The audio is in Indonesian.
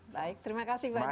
baik terima kasih banyak